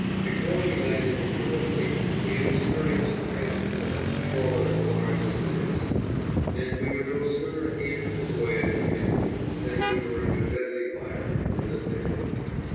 Before we landed in Gallipoli we had experience of transport, trawler, barge and pinnace; and we were no sooner at the end of the voyage from England than we were under deadly fire and in the thick of it.